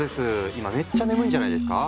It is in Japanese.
今めっちゃ眠いんじゃないですか？